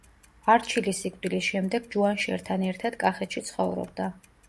არჩილის სიკვდილის შემდეგ ჯუანშერთან ერთად კახეთში ცხოვრობდა.